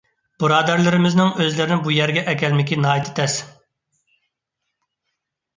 بۇرادەرلىرىمىزنىڭ ئۆزلىرىنى بۇ يەرگە ئەكەلمىكى ناھايىتى تەس.